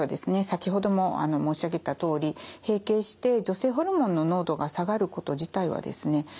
先ほども申し上げたとおり閉経して女性ホルモンの濃度が下がること自体はですね